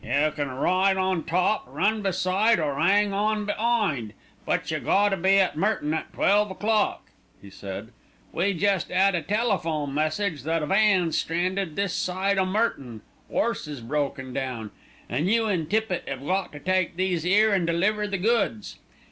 "You can ride on top, run beside, or 'ang on be'ind; but you got to be at Merton at twelve o'clock," he said. "We jest 'ad a telephone message that a van's stranded this side o' Merton, 'orses broken down, an' you an' Tippitt 'ave got to take these 'ere and deliver the goods.